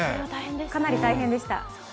かなり大変でした。